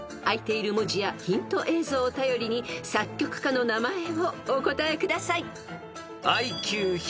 ［あいている文字やヒント映像を頼りに作曲家の名前をお答えください］